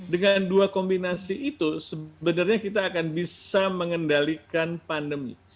dengan dua kombinasi itu sebenarnya kita akan bisa mengendalikan pandemi